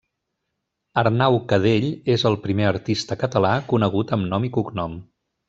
Arnau Cadell és el primer artista català conegut amb nom i cognom.